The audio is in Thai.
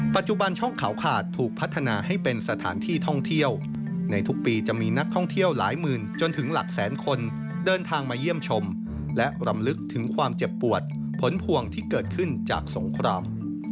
ปัจจุบันช่องเขาขาดถูกพัฒนาให้เป็นสถานที่ท่องเที่ยวในทุกปีจะมีนักท่องเที่ยวหลายหมื่นจนถึงหลักแสนคนเดินทางมาเยี่ยมชมและรำลึกถึงความเจ็บปวดผลพวงที่เกิดขึ้นจากสงคราม